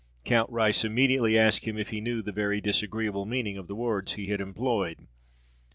Count Rice immediately asked him if he knew the very disagreeable meaning of the words he had employed.